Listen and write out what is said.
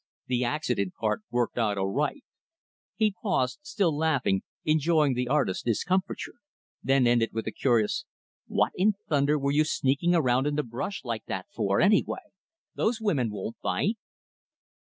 "The accident part worked out all right." He paused, still laughing enjoying the artist's discomfiture; then ended with a curious "What in thunder were you sneaking around in the brush like that for, anyway? Those women won't bite."